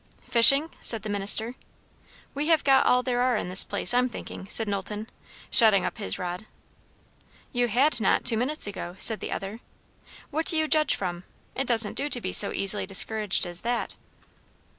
"Fishing?" said the minister. "We have got all there are in this place, I'm thinking," said Knowlton, shutting up his rod. "You had not, two minutes ago," said the other. "What do you judge from? It doesn't do to be so easily discouraged as that."